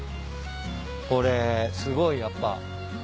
これすごいやっぱ。